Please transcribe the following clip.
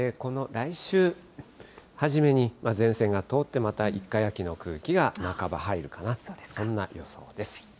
来週初めに、前線が通って、また一回、秋の空気が半ば入るかな、そんな予想です。